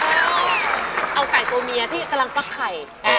เอาไก่ตัวเมียที่กำลังฟักไข่